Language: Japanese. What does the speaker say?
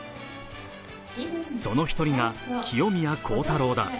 その１人が清宮幸太郎だ。